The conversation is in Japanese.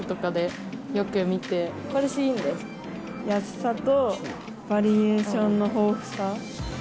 安さとバリエーションの豊富さ。